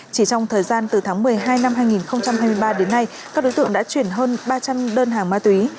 chỉ trong thời gian từ tháng một mươi hai năm hai nghìn hai mươi ba đến nay các đối tượng đã chuyển hơn ba trăm linh đơn hàng ma túy